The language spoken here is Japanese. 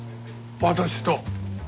私と？